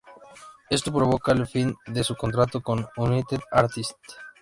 Esto provoca el fin de su contrato con United Artists.